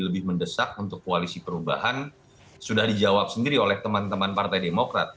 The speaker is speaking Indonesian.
lebih mendesak untuk koalisi perubahan sudah dijawab sendiri oleh teman teman partai demokrat